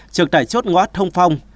trực tại chốt ngoát thông phong